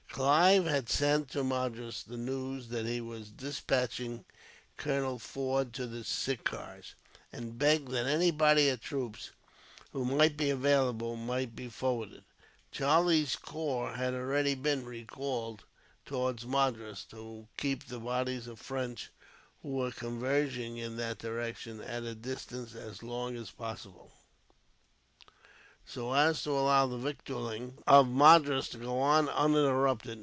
Clive had sent to Madras the news that he was despatching Colonel Forde to the Sirkars, and begged that any body of troops who might be available might be forwarded. Charlie's corps had already been recalled towards Madras, to keep the bodies of French who were converging in that direction at a distance, as long as possible, so as to allow the victualling of Madras to go on uninterrupted.